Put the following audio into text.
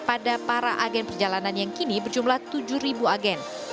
pada para agen perjalanan yang kini berjumlah tujuh ribu agen